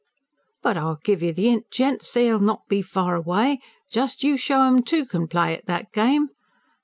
But I'll give you the 'int, gents. They'll not be far away. Jus' you show 'em two can play at that game.